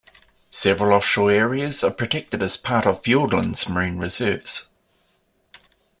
Several offshore areas are protected as part of Fiordland's marine reserves.